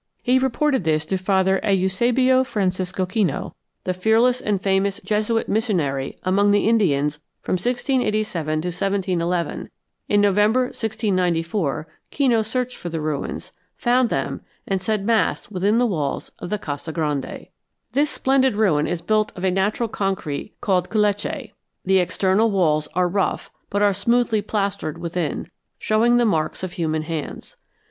He reported this to Father Eusebio Francisco Kino, the fearless and famous Jesuit missionary among the Indians from 1687 to 1711; in November, 1694, Kino searched for the ruins, found them, and said mass within the walls of the Casa Grande. This splendid ruin is built of a natural concrete called culeche. The external walls are rough, but are smoothly plastered within, showing the marks of human hands.